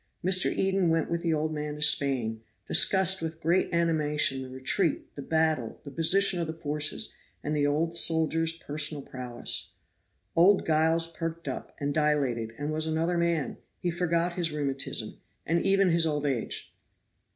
Mr. Eden went with the old man to Spain, discussed with great animation the retreat, the battle, the position of the forces, and the old soldier's personal prowess. Old Giles perked up, and dilated, and was another man; he forgot his rheumatism, and even his old age.